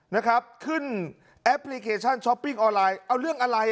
นะครับขึ้นแอปพลิเคชันช้อปปิ้งออนไลน์เอาเรื่องอะไร